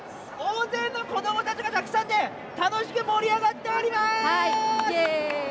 大勢の子どもたちがたくさんで楽しく盛り上がっております！